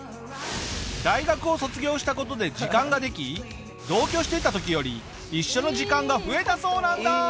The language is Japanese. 大学を卒業した事で時間ができ同居していた時より一緒の時間が増えたそうなんだ。